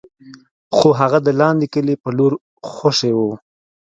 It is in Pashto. خو هغه د لاندې کلي په لور خوشې و.